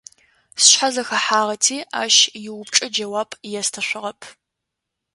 Сшъхьэ зэхэхьагъэти ащ иупчӀэ джэуап естышъугъэп.